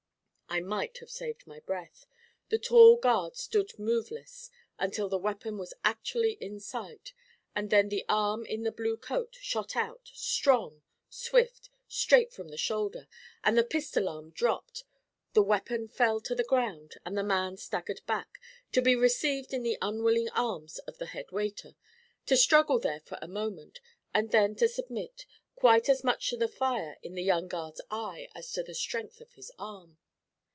I might have saved my breath. The tall guard stood moveless until the weapon was actually in sight, and then the arm in the blue coat shot out, strong, swift, straight from the shoulder, and the pistol arm dropped, the weapon fell to the ground, and the man staggered back, to be received in the unwilling arms of the head waiter, to struggle there for a moment, and then to submit, quite as much to the fire in the young guard's eye as to the strength of his arm.